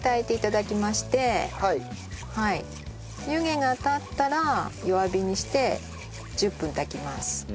湯気が立ったら弱火にして１０分炊きます。